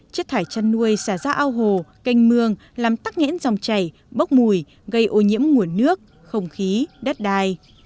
chất thải chăn nuôi xả ra ao hồ canh mương làm tắc nghẽn dòng chảy bốc mùi gây ô nhiễm nguồn nước không khí đất đai